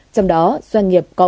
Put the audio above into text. trong đó doanh nghiệp có